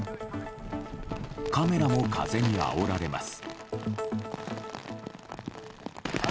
カメラも風にあおられます。